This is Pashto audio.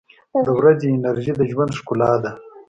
• د ورځې انرژي د ژوند ښکلا ده.